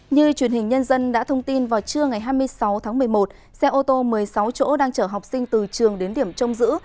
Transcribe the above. như truyền hình nhân dân đã thông tin vào trưa ngày hai mươi sáu tháng một mươi một xe ô tô một mươi sáu chỗ đang chở học sinh từ trường đến điểm trông giữ